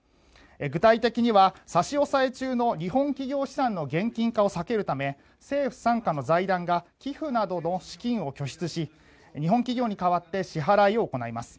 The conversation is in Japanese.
具体的には差し押さえ中の日本企業資産の現金化を避けるため政府傘下の財団が寄付などの資金を拠出し日本企業に代わって支払いを行います。